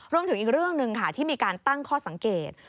รวมถึงอีกเรื่องหนึ่งค่ะที่มีการตั้งข้อสังเกต